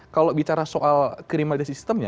kalau bicara soal kriminalitas sistemnya